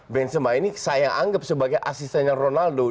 benzema ini saya anggap sebagai asistennya ronaldo